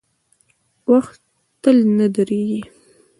• وخت تل نه درېږي.